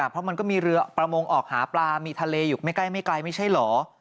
เพราะมันก็มีเรือประมงออกหาปลามีทะเลอยู่ไม่ใกล้ไม่ไกลไม่ใช่เหรอ